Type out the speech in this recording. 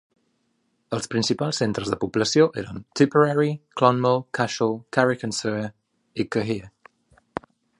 Els principals centres de població eren Tipperary, Clonmel, Cashel, Carrick-on-Suir i Cahir.